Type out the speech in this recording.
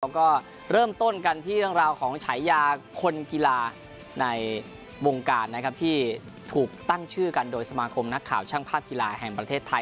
ก็เริ่มต้นกันที่เรื่องราวของฉายาคนกีฬาในวงการนะครับที่ถูกตั้งชื่อกันโดยสมาคมนักข่าวช่างภาพกีฬาแห่งประเทศไทย